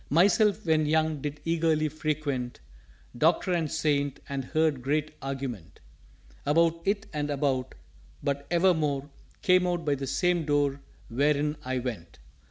"_Myself when young did eagerly frequent Doctor and Saint, and heard great argument About it and about: but evermore Came out by the same Door where in I went.